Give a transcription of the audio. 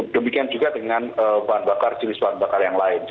demikian juga dengan jenis bahan bakar yang lain